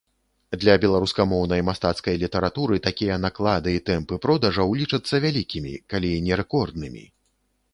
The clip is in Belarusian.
Для беларускамоўнай мастацкай літаратуры такія наклады і тэмпы продажаў лічацца вялікімі, калі не рэкорднымі.